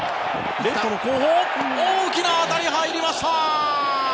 レフトの後方大きな当たり、入りました！